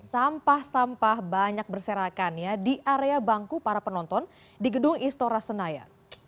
sampah sampah banyak berserakannya di area bangku para penonton di gedung istora senaya